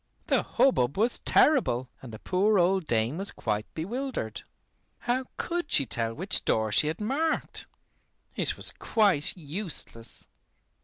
The hubbub was terrible, and the poor old dame was quite bewildered. How could she tell which door she had marked? It was quite useless.